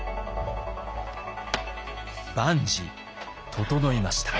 万事整いました。